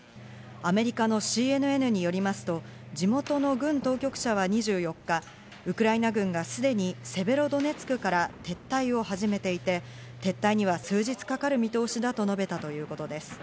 アメリカのＣＮＮによりますと、地元の軍当局者は２４日、ウクライナ軍がすでにセベロドネツクから撤退を始めていて、撤退には数日かかる見通しだと述べたということです。